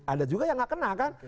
ada juga yang nggak kena kan